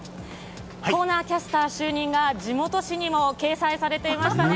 コーナーキャスター就任が地元紙にも掲載されていましたね。